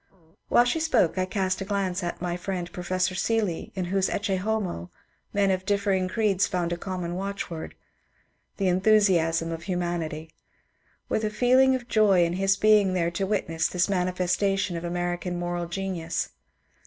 While she spoke I cast a glance at my friend Professor Seeley, in whose *^ Ecce Homo " men of differing creeds found a common watchword —^' The Enthusiasm of Humanity "— with a feeling of joy in his being there to witness this mani festation of American moral genius.